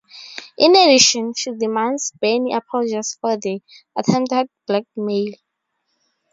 In addition, she demands Bernie apologize for the attempted blackmail.